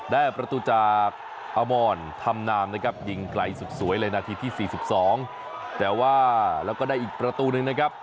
ได้ประตูจากอมรธรรมนามนะครับยิงไกลสุดสวยเลยนาทีที่๔๒แต่ว่าแล้วก็ได้อีกประตูนึงนะครับ